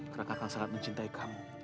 karena kakak sangat mencintai kamu